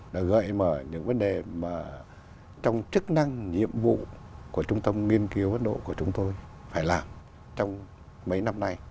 đã gợi mở những vấn đề mà trong chức năng nhiệm vụ của trung tâm nghiên cứu ấn độ của chúng tôi phải làm trong mấy năm nay